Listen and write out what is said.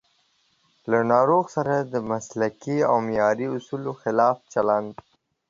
له ناروغ سره د مسلکي او معیاري اصولو خلاف چلند